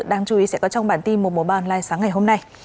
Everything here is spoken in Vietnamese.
đang chú ý sẽ có trong bản tin một trăm một mươi ba online sáng ngày hôm nay